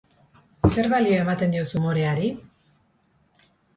Zer balio ematen diozu umoreari?